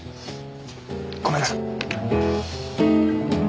ごめんなさい。